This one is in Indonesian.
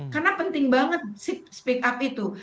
karena penting banget speak up itu